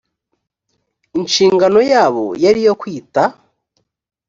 inshingano yabo yari iyo kwita